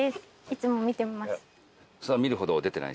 いつも見てます。